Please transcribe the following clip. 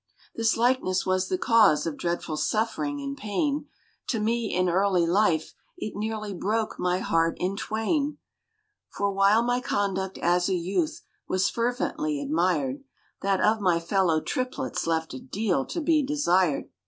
This likeness was the cause of dreadful suffering and pain To me in early life it nearly broke my heart in twain; For while my conduct as a youth was fervently admired, That of my fellow triplets left a deal to be desired.